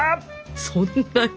そんなに？